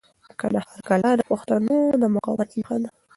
د کندهار کلا د پښتنو د مقاومت نښه ده.